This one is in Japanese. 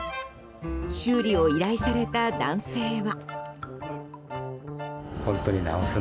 修理を依頼された男性は。